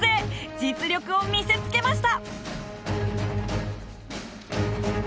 実力を見せつけました！